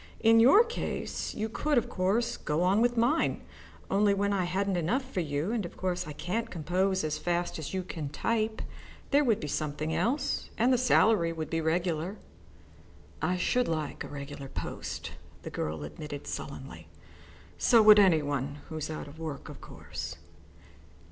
In your case you could, of course, go on with mine, only when I hadn't enough for you, and of course I can't compose as fast as you can type, there would be something else, and the salary would be regular." "I should like a regular post," the girl admitted sullenly. "So would any one who's out of work, of course."